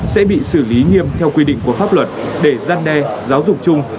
sẽ bị xử lý nghiêm theo quy định của pháp luật để gian đe giáo dục chung